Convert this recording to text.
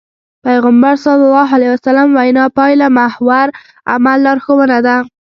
پيغمبر ص وينا پايلهمحور عمل لارښوونه ده.